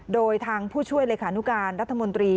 โดยทางผู้ช่วยเลขานุการรัฐมนตรี